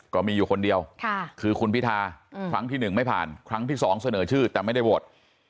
ก็มีอยู่คนเดียวคือคุณพิทาครั้งที่๑ไม่ผ่านครั้งที่๒เสนอชื่อแต่ไม่ได้โหวต